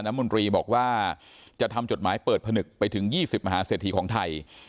มนตรีบอกว่าจะทำจดหมายเปิดผนึกไปถึง๒๐มหาเศรษฐีของไทย